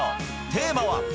テーマは。